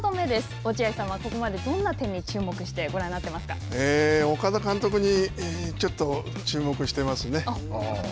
落合さんはここまで、どんな点に岡田監督にちょっと注目してますね。